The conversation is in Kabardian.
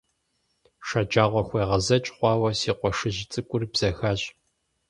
ШэджагъуэхуегъэзэкӀ хъуауэ си къуэшыжь цӀыкӀур бзэхащ.